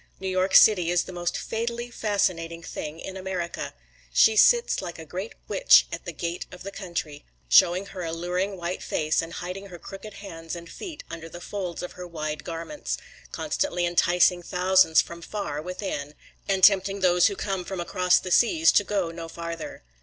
New York City is the most fatally fascinating thing in America. She sits like a great witch at the gate of the country, showing her alluring white face and hiding her crooked hands and feet under the folds of her wide garments constantly enticing thousands from far within, and tempting those who come from across the seas to go no farther.